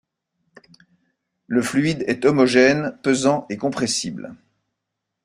Le fluide est homogène, pesant et compressible.